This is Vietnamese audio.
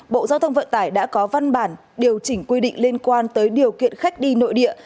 bộ giao thông vận tải đã có văn bản điều chỉnh quy định liên quan tới điều kiện khách đi nội địa